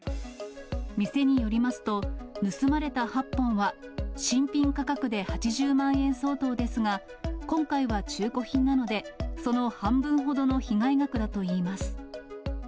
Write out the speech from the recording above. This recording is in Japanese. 店によりますと、盗まれた８本は、新品価格で８０万円相当ですが、今回は中古品なので、その半分ほどの被害額だといいます。